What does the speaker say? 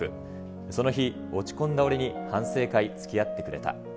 その日、落ち込んだ俺に反省会、つきあってくれた。